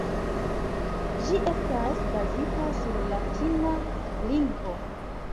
Ĝi estas bazita sur latina lingvo.